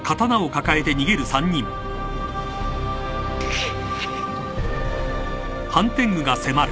くっ。